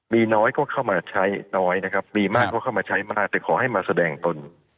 มีน้อยก็เข้ามาใช้น้อยนะครับมีมากก็เข้ามาใช้มากแต่ขอให้มาแสดงตน